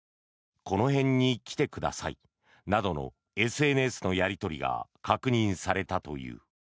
この辺に来てくださいなどのＳＮＳのやり取りが確認されたという。